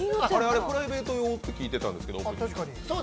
我々、プライベート用って聞いてたんですけど？